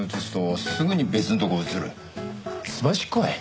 すばしっこい。